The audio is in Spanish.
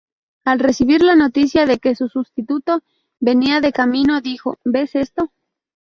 Al recibir la noticia de que su sustituto venía de camino, dijo: "¿Ves esto?